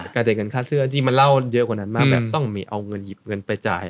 กลายเป็นเงินค่าเสื้อที่มันเล่าเยอะกว่านั้นมากแบบต้องมีเอาเงินหยิบเงินไปจ่าย